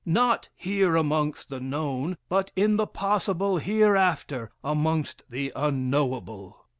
Not here amongst the known, but in the possible hereafter amongst the unknowable.